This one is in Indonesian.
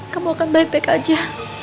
kamu akan baik baik aja